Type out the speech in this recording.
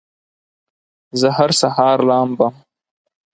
زه هر سهار لامبم